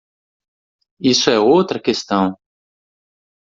Isso é outra questão.